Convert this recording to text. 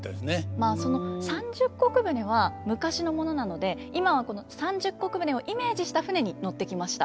まあその三十石船は昔のものなので今は三十石船をイメージした船に乗ってきました。